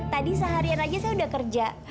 tadi seharian aja saya udah kerja